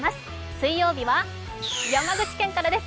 水曜日は山口県からです。